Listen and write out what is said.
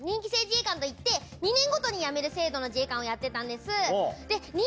といって２年ごとに辞める制度の自衛官をやってたんです。